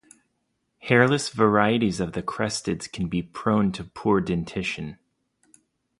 Hairless varieties of the Cresteds can be prone to poor dentition.